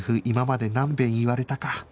今まで何遍言われたか